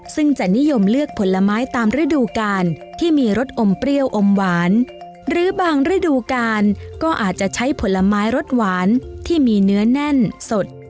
ซึ่งจะนิยมเลือกผลไม้ตามฤดูกาลที่มีรสอมเปรี้ยวอมหวานหรือบางฤดูกาลก็อาจจะใช้ผลไม้รสหวานที่มีเนื้อแน่นสด